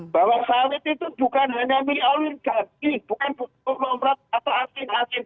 bahwa sawit itu bukan hanya milik awli ganti bukan perumahan atau asing asing